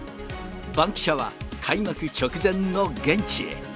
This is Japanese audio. バンキシャ！は開幕直前の現地へ。